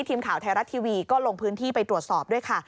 ทีมข่าวไทยรัฐทีวีก็ลงพื้นที่ไปตรวจสอบด้วยค่ะ